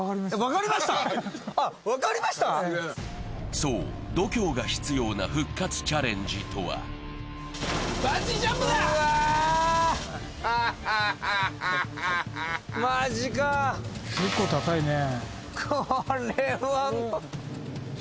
そう、度胸が必要な復活チャレンジとは結構高いねえ。